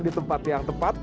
di tempat yang tepat